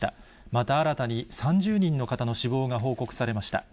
また新たに３０人の方の死亡が報告されました。